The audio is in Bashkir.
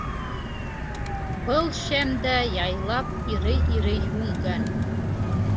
Был шәм дә яйлап ирей-ирей һүнгән.